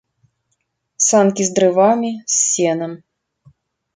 Санкі з дрывамі, з сенам.